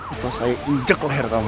atau saya injek leher kamu